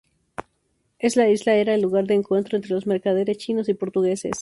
Esta isla era el lugar de encuentro entre los mercaderes chinos y portugueses.